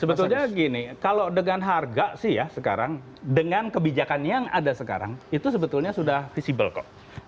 sebetulnya gini kalau dengan harga sih ya sekarang dengan kebijakan yang ada sekarang itu sebetulnya sudah visible kok